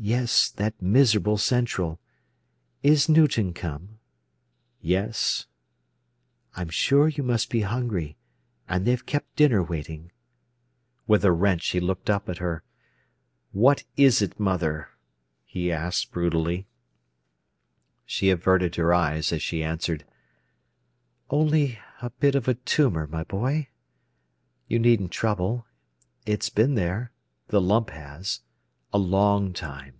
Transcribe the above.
"Yes; that miserable Central! Is Newton come?" "Yes." "I'm sure you must be hungry, and they've kept dinner waiting." With a wrench he looked up at her. "What is it, mother?" he asked brutally. She averted her eyes as she answered: "Only a bit of a tumour, my boy. You needn't trouble. It's been there—the lump has—a long time."